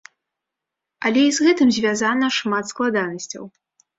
Але і з гэтым звязана шмат складанасцяў.